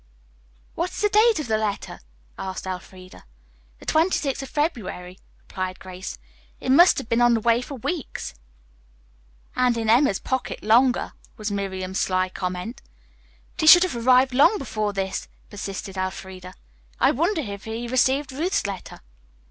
"What is the date of the letter!" asked Elfreda. "The twenty sixth of February," replied Grace. "It must have been on the way for weeks." "And in Emma's pocket longer," was Miriam's sly comment. "But he should have arrived long before this," persisted Elfreda. "I wonder if he received Ruth's letter."